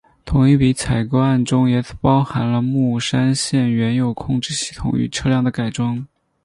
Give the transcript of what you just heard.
同一笔采购案中也包含了木栅线原有控制系统与车辆的改装。